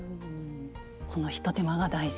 この一手間が大事。